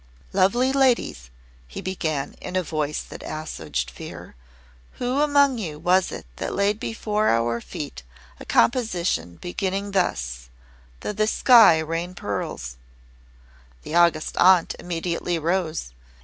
"Lovely ladies," he began, in a voice that assuaged fear, "who among you was it that laid before our feet a composition beginning thus 'Though the sky rain pearls'?" The August Aunt immediately rose.